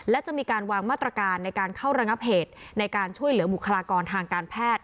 และจะมีการวางมาตรการในการเข้าระงับเหตุในการช่วยเหลือบุคลากรทางการแพทย์